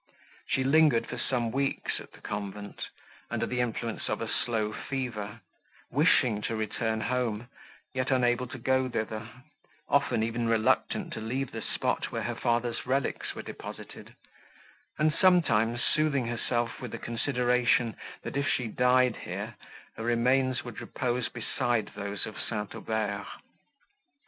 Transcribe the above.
She lingered for some weeks at the convent, under the influence of a slow fever, wishing to return home, yet unable to go thither; often even reluctant to leave the spot where her father's relics were deposited, and sometimes soothing herself with the consideration, that, if she died here, her remains would repose beside those of St. Aubert.